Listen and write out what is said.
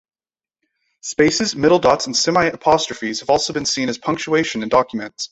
Spaces, middle dots, and semi-apostrophes have also been seen as punctuation in documents.